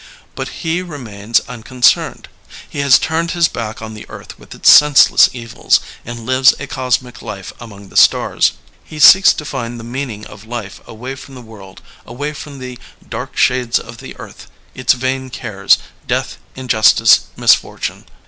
But he remains unconcerned. He has turned his back on the earth with its senseless evils, and lives a cosmic life among the stars. He seeks to find the meaning of life away from the world, away from the dark shades of the earth, its vain cares— death, injustice, misfortune.